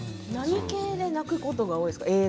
何系で泣くことが多いですか？